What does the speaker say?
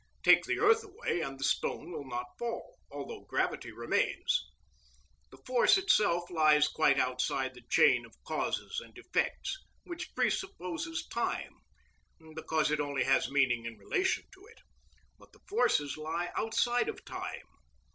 Take the earth away and the stone will not fall, although gravity remains. The force itself lies quite outside the chain of causes and effects, which presupposes time, because it only has meaning in relation to it; but the force lies outside time.